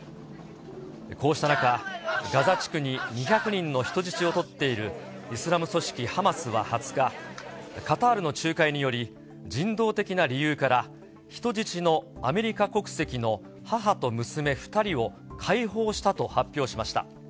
こうした中、ガザ地区に２００人の人質を取っているイスラム組織ハマスは２０日、カタールの仲介により、人道的な理由から、人質のアメリカ国籍の母と娘２人を解放したと発表しました。